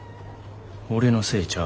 俺のせいちゃう。